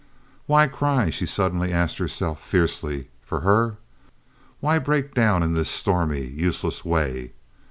"Why cry?" she suddenly asked herself, fiercely—for her. "Why break down in this stormy, useless way?